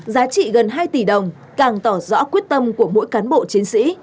giá trị gần hai tỷ đồng càng tỏ rõ quyết tâm của mỗi cán bộ chiến sĩ